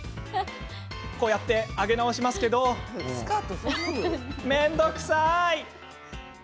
こうやって上げ直しますけど面倒くさい。